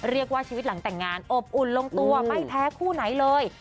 ชีวิตหลังแต่งงานอบอุ่นลงตัวไม่แพ้คู่ไหนเลย